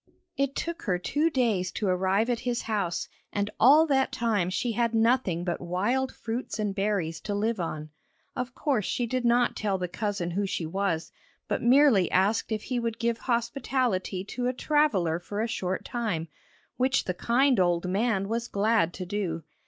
It took her two days to arrive at his house, and all that time she had nothing but wild fruits and berries to live on. Of course she did not tell the cousin who she was, but merely asked if he would give hospitality to a traveller for a short time, which the kind old man was glad to do.